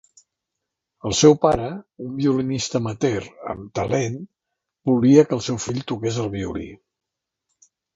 El seu pare, un violinista amateur amb talent, volia que el seu fill toqués el violí.